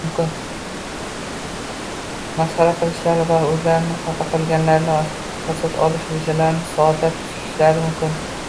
masxara qilishlari va o‘zlarini xafa qilganlardan qasos olish rejalarini soatlab tuzishlari mumkin.